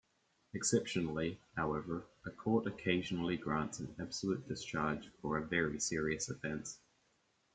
Exceptionally, however, a court occasionally grants an absolute discharge for a very serious offence.